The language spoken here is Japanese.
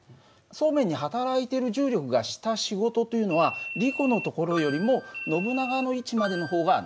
そうめんに働いてる重力がした仕事というのはリコの所よりもノブナガの位置までの方が長い。